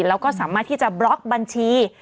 แล้วก็สามารถที่จะบล็อกบัญชี